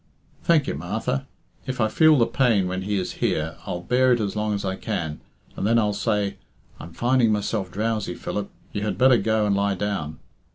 Thank you, Martha. If I feel the pain when he is here, I'll bear it as long as I can, and then I'll say, 'I'm finding myself drowsy, Philip; you had better go and lie down.'